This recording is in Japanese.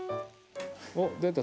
おっ出た。